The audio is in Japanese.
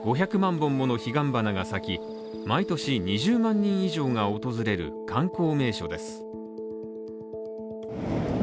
本ものヒガンバナが咲き毎年２０万人以上が訪れる観光名所です。